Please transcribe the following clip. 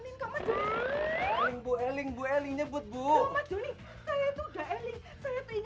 lo gimana sih mas johnny